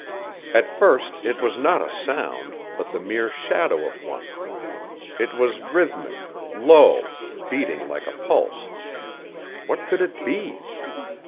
At first it was not a sound, but the mere shadow of one. It was rhythmic, low, beating like a pulse. What could it be?